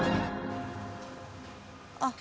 あっ